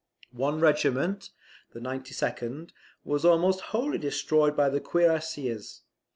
One regiment, the 92d, was almost wholly destroyed by the cuirassiers.